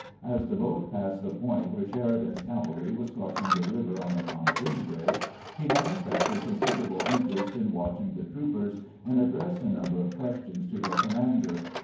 As the boat passed the point where Sheridan's cavalry was crossing the river on the pon toon bridge, he manifested considerable interest in watching the troopers, and addressed a number of ques tions to their commander.